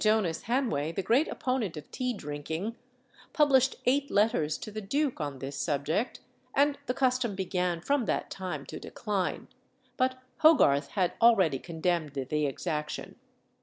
Jonas Hanway, the great opponent of tea drinking, published eight letters to the duke on this subject, and the custom began from that time to decline. But Hogarth had already condemned the exaction.